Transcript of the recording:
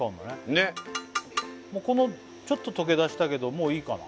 ねっちょっと溶け出したけどもういいかな？